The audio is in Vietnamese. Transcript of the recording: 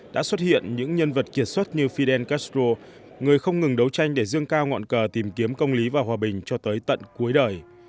đã xuất hiện những nhân vật kiệt xuất như fidel castro người không ngừng đấu tranh để dương cao ngọn cờ tìm kiếm công lý và hòa bình cho tới tận cuối đời